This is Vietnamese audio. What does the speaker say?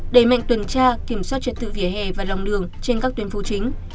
đẩy mạnh tuần tra kiểm soát trật tự vỉa hè và lòng đường trên các tuyến phố chính